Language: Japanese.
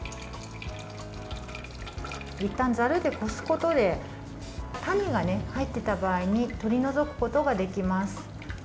いったん、ざるでこすことで種が入っていた場合に取り除くことができます。